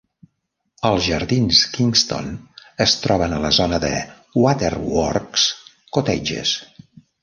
Els jardins Kingston es troben a la zona de Waterworks Cottages.